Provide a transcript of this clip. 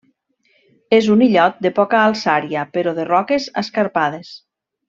És un illot de poca alçària però de roques escarpades.